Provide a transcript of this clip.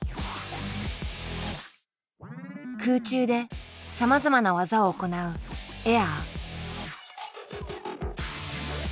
空中でさまざまな技を行うエア。